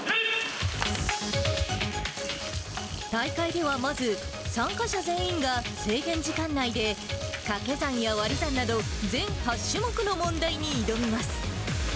大会ではまず参加者全員が制限時間内でかけ算や割り算など、全８種目の問題に挑みます。